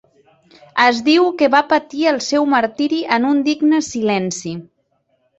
Es diu que va patir el seu martiri en un digne silenci.